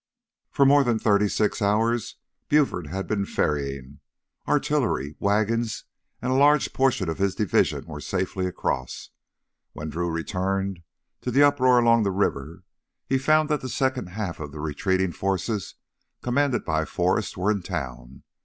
For more than thirty six hours Buford had been ferrying. Artillery, wagons, and a large portion of his division were safely across. When Drew returned to the uproar along the river he found that the second half of the retreating forces, commanded by Forrest, were in town.